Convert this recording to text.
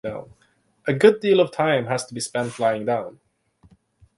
A good deal of time has to be spent lying down.